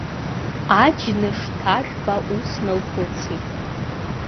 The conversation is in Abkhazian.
Аџьныш ҭажә-баа ус налхәыцит.